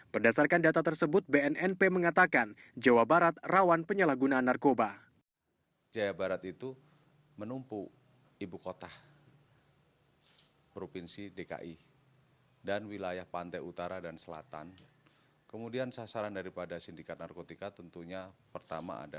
berdasarkan data tersebut bnnp mengatakan jawa barat rawan penyalahgunaan narkoba